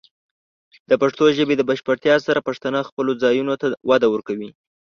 د پښتو ژبې د بشپړتیا سره، پښتانه خپلو ځایونو ته وده ورکوي.